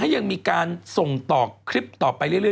ยังมีการส่งต่อคลิปต่อไปเรื่อย